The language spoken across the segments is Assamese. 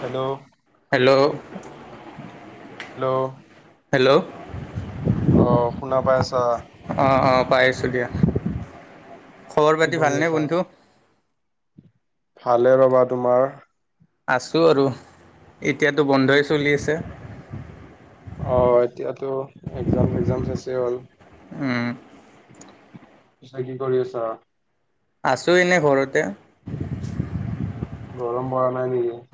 Hello hello hello. হেল্ল' অ' শুনা পাই আছা। অ' অ'পাই আছোঁ দিয়া। খবৰ কি পাতি কৰি ভালনে আছা। বন্ধু ভালে ৰবা তোমাৰ? আছোঁ আৰু এতিয়াতো বন্ধই চলি আছে। অ' এতিয়াতো এক্সাজাম ছেক্মজাম আছে হল। উম'। পিছে কি কৰি আছা? আছো এনেই ঘৰতে। গৰম পৰা নাই নেকি।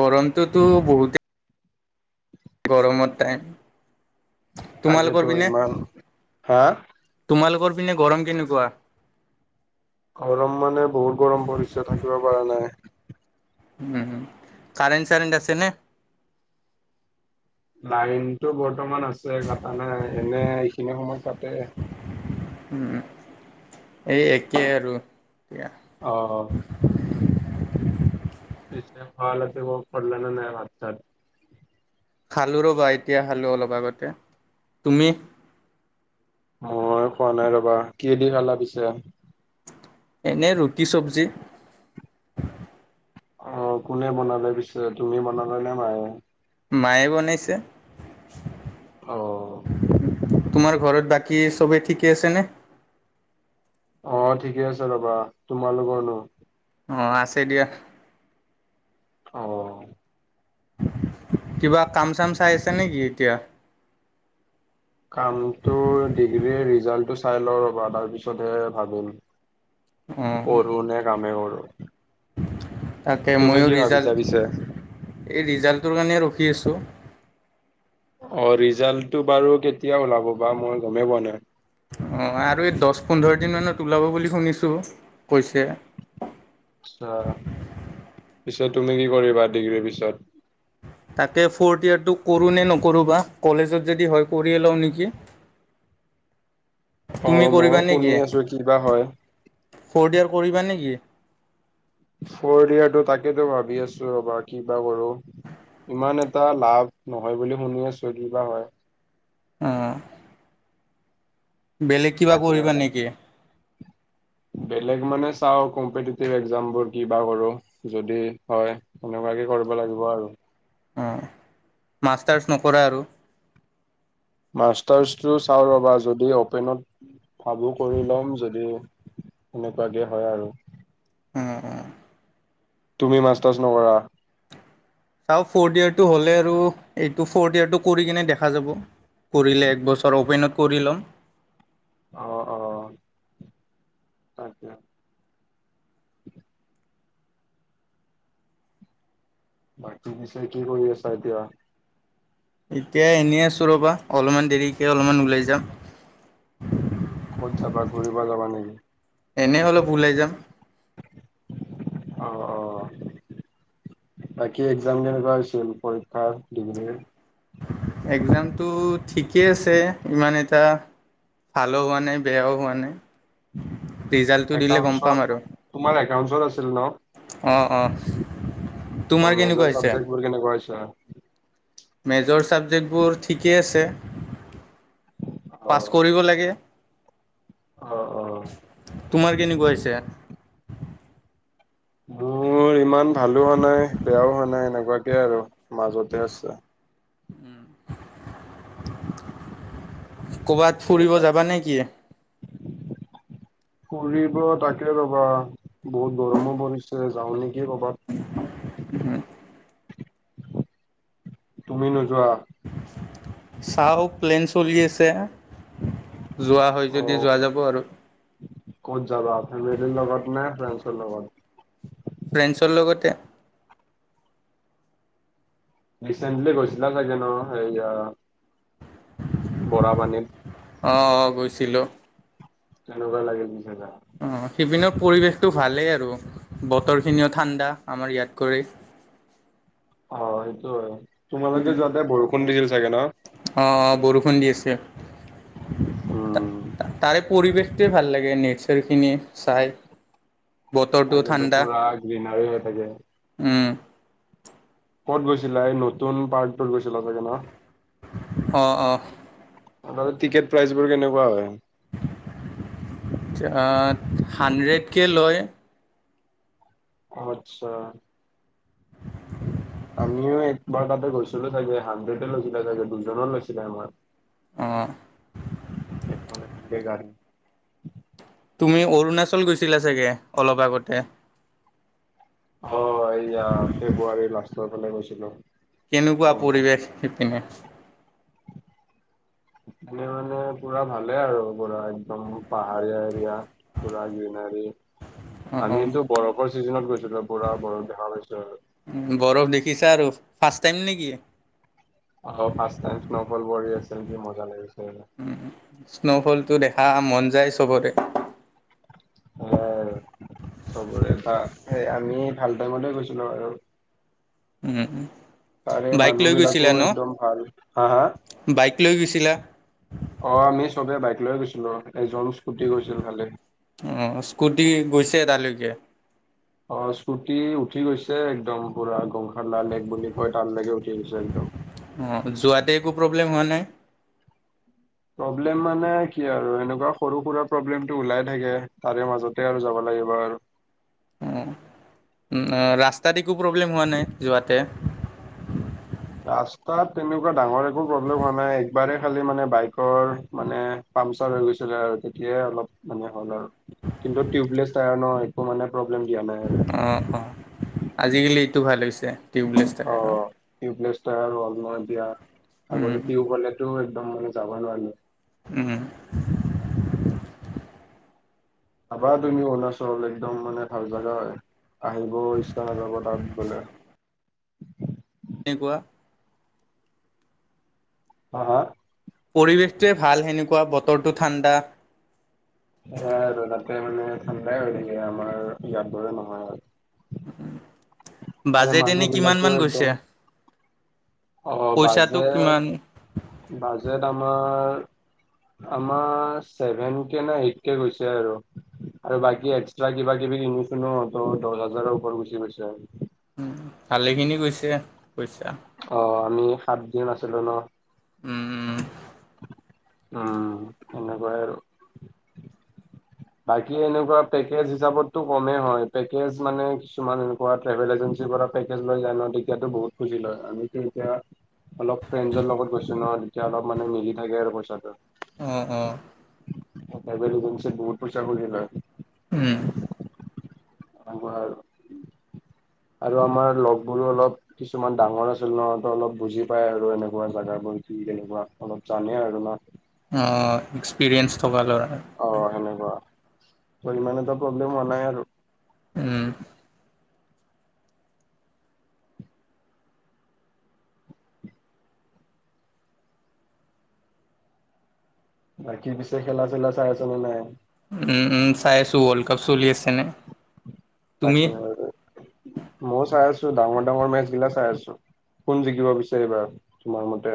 গৰমতটো টো বহুতে গৰম টাইম তাকেতো তোমালোকৰ পিনে ইমান হা তোমালোকৰ পিনে গৰম কেনেকুৱা? গৰম মানে বহুত গৰম পৰিছে থাকিব পৰা নাই। উম' কাৰেণ্ট চাৰেণ্ট আছে নে? লাইনতটো বৰ্তমান আছে কটা নাই এনে এইখিনি সময় কাটে। উম' এই একেই আৰু এয়া। অ' অ'। [unintelligible] নাই ভাত চাত খালো ৰ'বা এতিয়া খালো অলপ আগতে তুমি? মই খোৱা নাই ৰবা কি দি খালা পিছে? এনেই ৰুটি চবজি অ' কোনে বনালে পিছে তুমি বনালা নে মায়ে? মায়ে বনাইছে। অ'। তোমাৰ ঘৰত বাকি চবেই ঠিকে আছে নে? অ' ঠিকে আছে ৰবা তোমালোকৰ নো অ আছে দিয়া। অ'। কিবা কাম চাম চাই আছে নেকি এতিয়া? কামটো ডিগ্ৰীৰ ৰিজাল্টটো চাই লও ৰ'বা তাৰ পিছতহে ভাবিম। অঁ পহু নে কামেই কৰো। তাকে তুমি ময়ো কি ভাবিছা ৰিজাল্ট পিছে? এই ৰিজাল্টটোৰ কাৰণে ৰখি আছোঁ। অ' ৰিজাল্টটো বাৰু কেতিয়া ওলাব বা মই গমেই পোৱা নাই। অ' আৰু এই দহ পোন্ধৰ দিন মানত ওলাব বুলি শুনিছো কৈছে। আচ্ছা পিছে তুমি কি কৰিবা ডিগ্ৰীৰ পিছত? তাকে ফ'ৰ্থ ইয়েটো কৰোঁ নে নকৰোঁ বা কলেজত যদি হয় কৰিয়ে লওঁ নেকি? অ তুমি মইয়ো কৰিবা নেকি? শুনি আছো কিবা হয়। ফৰ্থ ইয়েৰ কৰিবা নেকি? ফৰ্থ ইয়েৰটৌ তাকেতো ভাবি আছো ৰ'বা কিবা কৰো। ইমান এটা লাভ নহয় বুলি শুনি আছোঁ, কি বা হয়। উম। বেলেগ কিবা তাকে কৰিবা আৰু। নেকি? বেলেগ মানে চাওঁ কম্পিটিটিভ একজামবোৰ কিবা কৰোঁ যদি হয়। সেনেকুৱাকে কৰিব লাগিব আৰু। হু, মাষ্টাৰ্ছ নকৰা আৰু? মাষ্টাৰ্ছটো চাওঁ ৰ'বা যদি অ'পেনত ভাবো কৰি ল'ম, যদি - সেনেকুৱাকে হয় আৰু। উম উম। তুমি মাষ্টাৰ্ছ নকৰা? চাওঁ ফৰ্থ ইয়েৰটো হ'লে আৰু এইটো ফৰ্থ ইয়েৰটো কৰি কিনে দেখা যাব। কৰিলে একবছৰ অ'পেনত কৰি ল'ম। অঁ, অ। তাকে। বাকী পিছে কি কৰি আছা এতিয়া? এতিয়া এনেই আছো ৰবা, অলপমান দেৰিকে অলপমান ওলাই যাম। ক'ত যাবা, ঘূৰিব যাবা নেকি? এনেই অলপ উলাই যাম। অ অ। বাকী একজাম কেনেকুৱা হৈছিল? পৰীক্ষাত, ডিগ্ৰীৰ। একজামটো ঠিকেই আছে, ইমান এটা - ভালো হোৱা নাই বেয়াও হোৱা নাই, ৰিজাল্টটো দিলে গম একাউন্টছত পাম আৰু। তোমাৰ একাউন্টছৰ আছিল ন? অঁ অঁ। তোমাৰ তোৰ কেনেকুৱা মেজৰ হৈছে চাবজেক্টবোৰ কেনেকুৱা হৈছে? মেজৰ ছাবজেক্টবোৰ ঠিকেই আছে। পাছ অঁ। কৰিব লাগে। অ, অ। তোমাৰ কেনেকুৱা হৈছে? মোৰ ইমান ভালো হোৱা নাই বেয়াও হোৱা নাই, এনেকুৱাকে আৰু মাজতে আছে। উম। কবাত ফুৰিব যাবা নেকি? [unintelligible] ফুৰিব তাকে ৰ'বা বহুত গৰমো পৰিছে, যাওঁ নেকি কবাত। [unintelligible] তুমি নোযোৱা? চাওঁ প্লেন চলি আছে। যোৱা হয় অ যদি যোৱা যাব আৰু। ক'ত যাবা? ফেমেলিৰ লগত নে ফ্ৰেণ্ডছৰ লগত? ফ্ৰেণ্ডছৰ লগতে। ৰেছেণ্টলী গৈছিলা চাগে ন হেৰি এইয়া বৰা পানীত। অ, অ গৈছিলোঁ। কেনেকুৱা লাগিল পিছে যাই? অঁ সেইপিনেৰ পৰিৱেশটো ভালেই আৰু বতৰখিনিও ঠাণ্ডা আমাৰ ইয়াত কৰি। অ সেইটো হয় তোমাৰলোকে যাওঁতে বৰষুণ দিছিল চাগে ন? অ অ বৰষুণ দি আছে উম তাৰে পৰিৱেশটোৱে ভাল লাগে নেচাৰখিনি চাই। বতৰটো তাকো ঠাণ্ডা পুৰা গ্ৰিনাৰী হৈ থাকে। উম। ক'ত গৈছিলা এই নতুন পাৰ্কটো গৈছিলা চাগে ন? অ অঁ। তাতে টিকেট প্ৰাইচ বোৰ কেনেকুৱা হয়? আ হাড্ৰেড কে লয়। আচ্ছা। মইয়ো এক বাৰ তাতে গৈছিলো তাগে হাড্ৰেডে লৈছিলে চাগে দুজনৰ লৈছিলে আমাৰ। অ', এখন এখনকে গাড়ী। তুমি অৰুণাচল গৈছিলা চাগে অলপ আগতে? হয় এইয়া ফেব্ৰুৱাৰী লাষ্টৰ ফালে গৈছিলোঁ। কেনেকুৱা পৰিৱেশ শিপিনে? মানে পুৰা ভালে আৰু পুৰা একদম পাহাৰীয়া এৰিয়া। পুৰা গ্ৰীনাৰী। অ', অ', আমিতো বৰফৰ চিজনত গৈছিলো পুৰা বৰফ দেখা পাইছো আৰু। বৰফ দেখিছা আৰু ফাৰ্ষ্ট টাইম নেকি? অ ফাৰ্ষ্ট টাইম স্ন'ফল বঢ়ি আছিল কি মজ্জা লাগিছে। উম স্ন'ফলটো দেখা মন যায় চবৰে। সেয়াই আৰু চবৰে বা সেই আমি ভাল টাইমতে গৈছিলোঁ আৰু। উম তাৰে বাইক মানুহ লৈ বিলাকো গৈছিলাঁ একদম ভাল হা হা ন বাইক লৈ গৈছিলাঁ? অ আমি চবে বাইক লৈ গৈছিলোঁ এজন স্কুটি গৈছিল খালি। অঁ স্কুটি গৈছে এ তাৰলৈকে। অ স্কুটি উঠি গৈছে একদম পুৰা গংশালা লেখ বুলি কয় তাৰ লৈকে উঠি গৈছে একদম। অঁ যোৱাতে একো প্ৰব্লেম হোৱা নাই? প্ৰব্লেম মানে কি আৰু এনেকুৱা সৰু সুৰা প্ৰব্লেমটো উলাই থাকে তাৰে মাজতে আৰু যাব লাগিব আৰু। অ ৰাস্তাত একো প্ৰব্লেম হোৱা নাই যোৱাতে? ৰাস্তাত তেনেকুৱা ডাঙৰ একো প্ৰব্লেম হোৱা নাই একবাৰে খালি বাইকৰ মানে পামচাৰ হৈ গৈছিলে আৰু তেতিয়াই অলপ মানে হ'ল আৰু। কিন্তু টিউবলেছ টায়াৰ ন একো মানে প্ৰব্লেম দিয়া নাই। আৰু অঁ অঁ আজিকালি এইটো ভাল হৈছে। টিউবলেছ অ টায়াৰৰ টিউবলেছ টায়াৰ হ'ল ন এতিয়া আগতে টিউব হ'লে এইটো একদম মানে যাব নোৱাৰিলে। উম। যাবা তুমি অৰুণাচললে একদম মানে ভাল জাগা হয়। আহিব ইচ্ছা নাযাব তাত গ'লে। [inaudible] হা হা? পৰিৱেশটোৱে ভাল সেনেকুৱা বতৰটো ঠাণ্ডা। সেয়াই আৰু তাতে মানে ঠাণ্ডাই হৈ থাকে আমাৰ ইয়াৰ দৰে নহয় আৰু। তাতে বাজেট মানুহ এনেই কিমান বিলাকো মান একদম গৈছে। অ পইচাটো বাজেট কিমান বাজেট আমাৰ। আমাৰ ছেভেন কে নে এইট কে গৈছে আৰু আৰু বাকী এক্সট্ৰা কিবা কিবি কিনোতেনো দহ হাজাৰৰ ওপৰত গুচি গৈছে উম ভালেখিনি গৈছে পইচা। অ আমি সাতদিন আছিলো ন। উম উম উম এনেকুৱাই আৰু বাকী এনেকুৱা পেকেজ হিচাপতটো কমেই হয় পেকেজ মানে কিছুমান এনেকুৱা ট্ৰেভেল এজেঞ্চিৰ পৰা পেকেজ লৈ যায় ন তেতিয়াতো বহুত খুজি লয় আমিটো এতিয়া অলপ ফ্ৰেণ্ডছৰ লগত গৈছো ন তেতিয়া অলপ মানে মিলি থাকে আৰু পইচাটো। অ অ ট্ৰেভেল এজেঞ্চিত বহুত পইচা খুজি লয়। উম সেনেকুৱা আৰু আৰু আমাৰ লগবোৰো অলপ কিছুমান ডাঙৰ আছিল ন সিহঁতে অলপ বুজি পাই আৰু এনেকুৱা জেগাবোৰ কি কেনেকুৱা অলপ জানে আৰু ন। অ এক্সপিৰিয়েঞ্চ থকা লৰা অ সেনেকুৱা ইমান এটা প্ৰব্লেম হোৱা নাই আৰু উম বাকী পিছে খেলা চেলা চাই আছ নে নাই। উম উম চাই আছোঁ ৱৰ্ল্ড কাপ চলি আছেনে। তাকে আৰু ম মইয়ো চাই আছো ডাঙৰ ডাঙৰ মেচ বিলাক চাই আছো। কোন জিকিব বিচাৰিবা তোমাৰ মতে।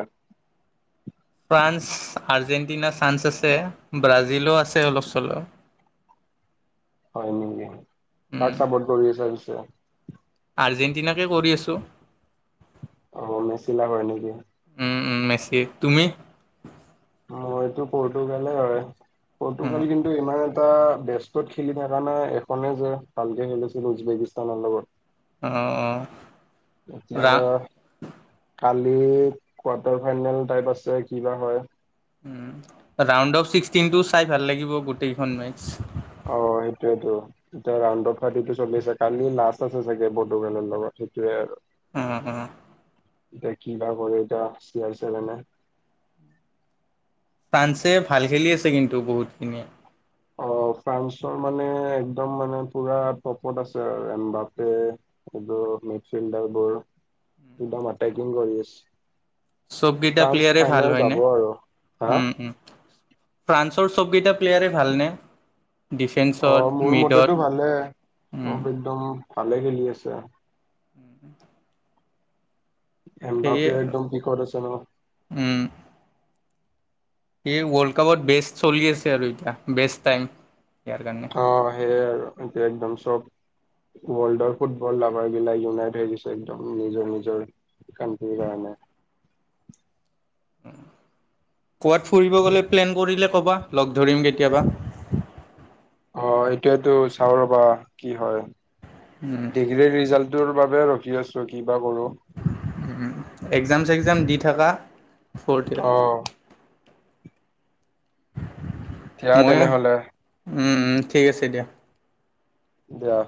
ফ্ৰান্স আৰ্জেণ্টিনা চান্স আছে ব্ৰাজিলো আছে অলপ চলপ। হয় নেকি কাক উম, চাপৰ্ট কৰি আছা পিছে। আৰ্জেণ্টিনাকে কৰি আছোঁ। মেচিলা হয় নেকি উম উম মেচি তুমি মইতো পতুৰ্গালে হয় উম পতুৰ্গালে কিন্তু ইমান এটা বেস্তত খেলি থাকা নাই এখনে যে ভালকে খেলিছিলো বেকিস্তানৰ লগত। অ অ এতিয়া ৰা বা কালি কোৱাৰ্টাৰ ফাইনেল টাইপ আছে কিবা হয়। উম ৰাউণ্ড অফ ছিক্সটিনটো চাই ভাল লাগিব গোটেইকেইখন মেছ। অ সেইটোৱেটো। এতিয়া ৰাউড অফ থ্ৰাৰ্টিটো চলি আছে কালি লাষ্ট আছে চাগে পতুৰ্গালৰ লগত সেইটোৱে আৰু উম উম এতিয়া কিবা কৰে এতিয়া চিয়াইছিলেনে ফ্ৰান্সে ভাল খেলি আছে কিন্তু বহুতখিনি অ ফ্ৰান্সৰ মানে একদম মানে পুৰা টপত আছে আৰু এমবাপে এইবোৰ মেছ ফিল্ডাৰ বোৰ একদম এটেকিং কৰি আছে চবকেইটা ফ্ৰান্স প্লেয়াৰে ভাল ফাইনেল যাব হয়নে আৰু হা উম উম। ফ্ৰান্সৰ চবকেইটা প্লেয়াৰে ভালনে ডিফেন্সত, অ', মোৰ মিডত মতেতো ভালেই, উম, [unintelligible] একদম ভালে খেলি আছে। [inaudible] এম সেয়ে বাপিও একদম [unintelligible] আছে ন। উম। সি ৱৰ্ল্ড কাপত বেষ্ট চলি আছে আৰু এতিয়া, বেষ্ট টাইম ইয়াৰ কাৰণে। অ', সেয়াই আৰু এটো একদম চ'ব। ৱৰ্ল্ডৰ ফুটবল লাভাৰ গিলাক ইউনাইট হৈ গছে একদম নিজৰ নিজৰ [unintelligible] কাৰণে। ক'বাত ফুৰিব গ'লে প্লেন কৰিলে ক'বা, লগ ধৰিম কেতিয়াবা। অ', সেইটোৱেটো চাওঁ ৰ'বা কি হয়। উম। ডিগ্ৰীৰ ৰিজাল্টটোৰ বাবে ৰখি আছোঁ কিবা কৰোঁ। উম, একজাম-চেগজাম দি থকা। অ'। দিয়া ময়ো তেনেহলে উম, উম, ঠিক আছে দিয়া। দিয়া।